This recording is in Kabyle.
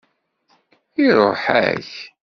Iṛuḥ-ak.